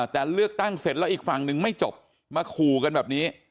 แต่เลือกตั้งเสร็จแล้วอีกฝั่งหนึ่งไม่จบมาขู่กันแบบนี้